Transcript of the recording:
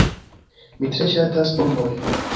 Mi tre ŝatas bombojn.